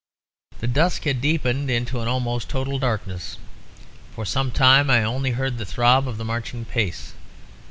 The dusk had deepened into almost total darkness; for some time I only heard the throb of the marching pace.